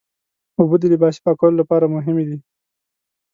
اوبه د لباسي پاکولو لپاره مهمې دي.